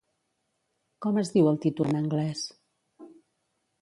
Com es diu el títol en anglès?